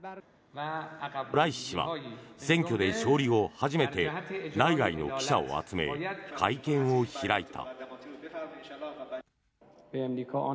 ライシ師は選挙で勝利後初めて内外の記者を集め会見を開いた。